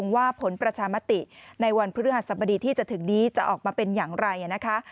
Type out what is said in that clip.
ว่าผลประชามติในวันพฤหัสบดีที่จะถึงนี้จะออกมาเป็นอย่างไรนะคะ